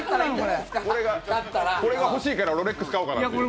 これが欲しいからロレックス買おうかなって？